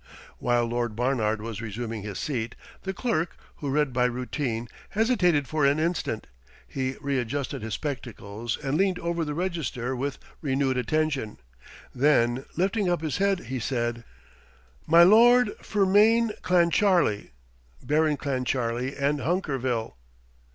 While Lord Barnard was resuming his seat, the Clerk, who read by routine, hesitated for an instant; he readjusted his spectacles, and leaned over the register with renewed attention; then, lifting up his head, he said, "My Lord Fermain Clancharlie, Baron Clancharlie and Hunkerville."